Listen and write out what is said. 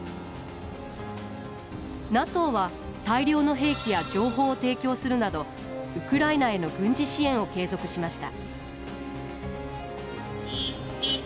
ＮＡＴＯは大量の兵器や情報を提供するなどウクライナへの軍事支援を継続しました